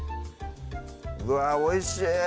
うわぁおいしい